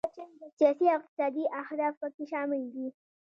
سیاسي او اقتصادي اهداف پکې شامل دي.